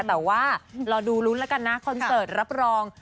แต่ว่ารอดูลุ้นแล้วกันนะคอนเสิร์ตรับรอง